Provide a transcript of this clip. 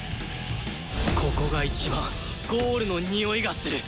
ここが一番ゴールのにおいがする！